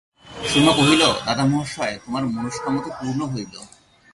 সুরমা কহিল, দাদামহাশয়, তোমার মনস্কামনা তো পূর্ণ হইল!